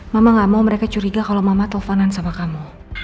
mama gak mau mereka curiga kalau mama teleponan sama kamu